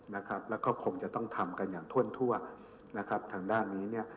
และคงจะต้องทำกันอย่างท่วนทั่วทางด้านนี้